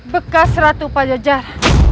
bekas ratu pak jajar